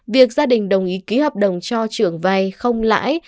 việc gia đình đồng ý ký hợp đồng cho trưởng vay không lãi